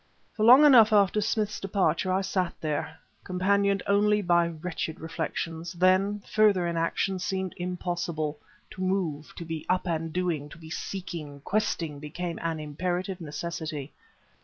For long enough after Smith's departure I sat there, companioned only by wretched reflections; then, further inaction seemed impossible; to move, to be up and doing, to be seeking, questing, became an imperative necessity.